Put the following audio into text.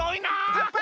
パパ！